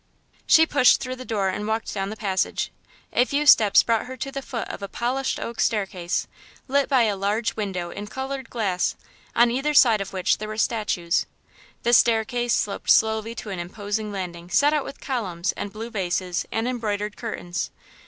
She pushed through the door and walked down the passage. A few steps brought her to the foot of a polished oak staircase, lit by a large window in coloured glass, on either side of which there were statues. The staircase sloped slowly to an imposing landing set out with columns and blue vases and embroidered curtains.